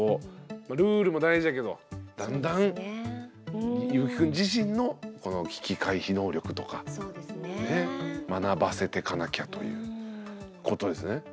ルールも大事だけどだんだんいぶきくん自身の危機回避能力とか学ばせてかなきゃということですね。